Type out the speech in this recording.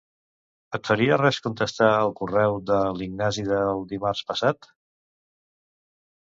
Et faria res contestar el correu de l'Ignasi de dimarts passat?